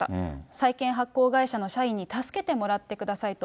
債券発行会社の社員に助けてもらってくださいと。